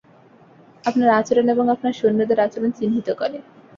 আপনার আচরন এবং আপনার সৈন্যদের আচরন চিহ্নিত করে।